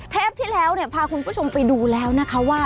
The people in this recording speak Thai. ที่แล้วเนี่ยพาคุณผู้ชมไปดูแล้วนะคะว่า